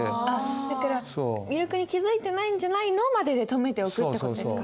だから「魅力に気付いてないんじゃないの？」までで止めておくって事ですか？